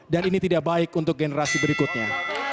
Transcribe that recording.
dan ini tidak baik untuk generasi berikutnya